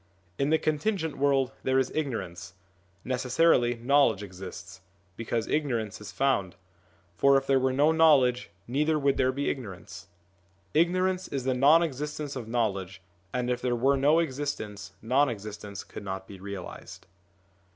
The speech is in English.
In the contingent world there is ignorance ; necessarily knowledge exists, because ignorance is found ; for if there were no knowledge, neither would there be ignorance. Ignorance is the non existence of knowledge, and if there were no existence, non existence could not be realised.